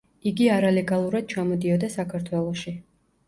იგი არალეგალურად ჩამოდიოდა საქართველოში.